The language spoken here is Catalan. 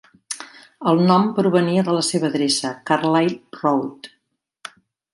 El nom provenia de la seva adreça, Carlyle Road.